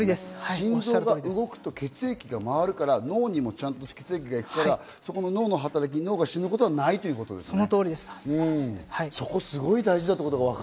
心臓が動くと血液が回るから脳にもちゃんと血液が行くから脳の働き、脳が死ぬことはないってことですね。